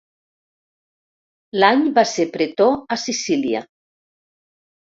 L'any va ser pretor a Sicília.